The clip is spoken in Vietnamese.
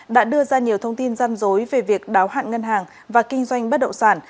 đã đưa ra nhiều thông tin răm rối về việc đáo hạn ngân hàng và kinh doanh bất động sản